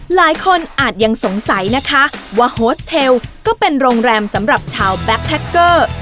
หลายคนอาจยังสงสัยนะคะว่าโฮสเทลก็เป็นโรงแรมสำหรับชาวแบ็คแพคเกอร์